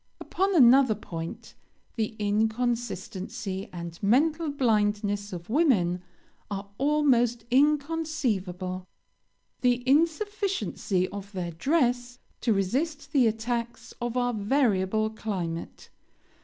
"Upon another point, the inconsistency and mental blindness of women are almost inconceivable the insufficiency of their dress to resist the attacks of our variable climate.